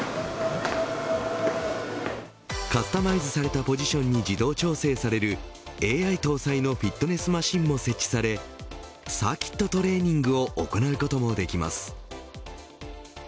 カスタマイズされたポジションに自動調整される、ＡＩ搭載のフィットネスマシンも設置されサーキットトレーニングを行うこともできます。